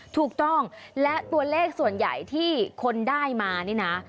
ถูกต้องและตัวเลขส่วนใหญ่ที่คนได้มานี่นะ